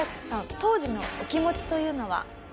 当時のお気持ちというのは？